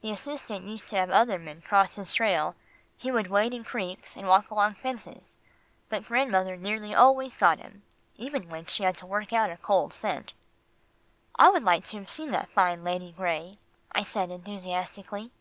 The assistant used to have other men cross his trail, he would wade in creeks, and walk along fences, but grandmother nearly always got him, even when she had to work out a cold scent." "I would like to have seen that fine Lady Gray," I said enthusiastically.